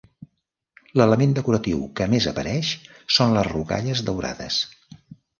L'element decoratiu que més apareix són les rocalles daurades.